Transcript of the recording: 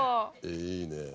いいね。